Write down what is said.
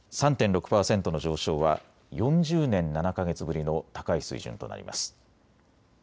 ３．６％の上昇は４０年７か月ぶりの高い水準となります。